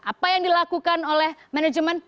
apa yang dilakukan oleh manajemen